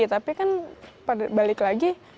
tapi kan balik lagi